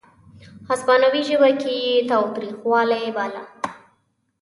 هسپانوي ژبه کې یې تاوتریخوالی باله.